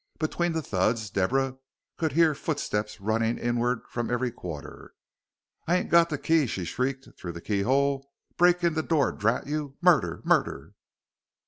Between the thuds Deborah could hear footsteps running inward from every quarter. "I ain't got the key!" she shrieked through the keyhole; "break in the door, drat you! Murder! murder!"